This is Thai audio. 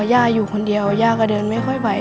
ย่าอยู่คนเดียวย่าก็เดินไม่ค่อยไหว